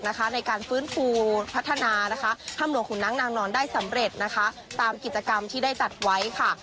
ในการฟื้นฟูพัฒนาถ้ำหลวงขุนน้ำนางนอนได้สำเร็จนะคะตามกิจกรรมที่ได้จัดไว้ค่ะ